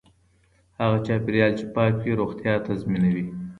هغه چاپیریال چې پاک وي روغتیا تضمینوي.